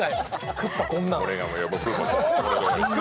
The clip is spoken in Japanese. クッパこんなん。